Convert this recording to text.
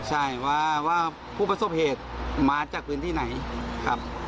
ใช่ว่าผู้ประสบเหตุมาจากพื้นที่ไหนครับ